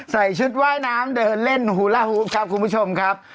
ใส่ชุดว่ายน้ำเดินเล่นฮูลาฮูฟครับคุณผู้ชมครับ